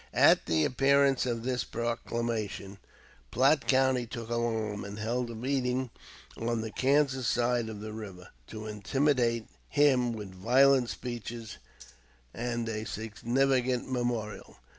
At the appearance of this proclamation Platte County took alarm, and held a meeting on the Kansas side of the river, to intimidate him with violent speeches and a significant memorial.